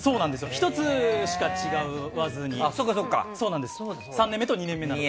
１つしか違わずに３年目と２年目なので。